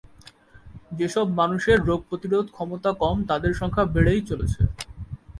যেসব মানুষের রোগ প্রতিরোধ ক্ষমতা কম তাদের সংখ্যা বেড়েই চলেছে।